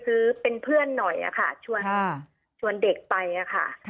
คือเป็นเพื่อนหน่อยค่ะชวนเด็กไปค่ะ